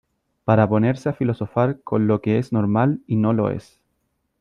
para ponerse a filosofar con lo que es normal y no lo es .